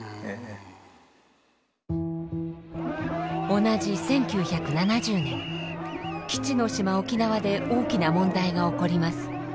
同じ１９７０年基地の島沖縄で大きな問題が起こります。